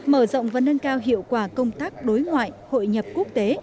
mở rộng và nâng cao hiệu quả công tác đối ngoại hội nhập quốc tế